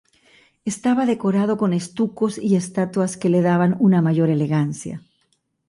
Estaba decorado con estucos y estatuas que le daban una mayor elegancia.